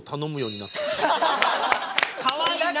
かわいいな。